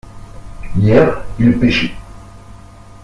Hier il pêchait.